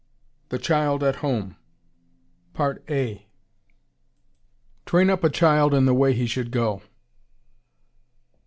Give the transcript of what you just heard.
THE CHILD AT HOME "Train up a child in the way he should go."